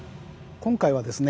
今回はですね